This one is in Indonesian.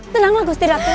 tenanglah gusti ratu